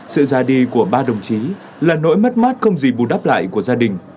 sự ra đi của ba đồng chí là nỗi mất mát không gì bù đắp lại của gia đình